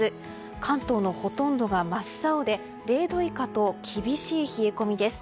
関東のほとんどが真っ青で０度以下と厳しい冷え込みです。